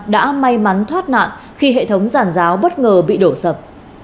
đã may mắn thoát nạn khi hệ thống giàn giáo bất ngờ bị đổ sập